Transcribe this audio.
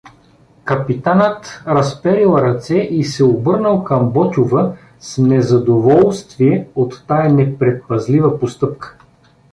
Капитанинът разперил ръце и се обърнал към Ботйова с незадоволствие от тая непредпазлива постъпка.